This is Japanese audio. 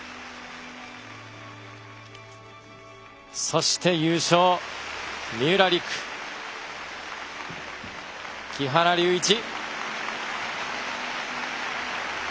そして優勝三浦璃来、木原龍一。